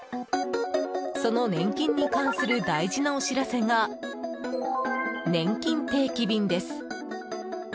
その年金に関する大事なお知らせがねんきん定期便です。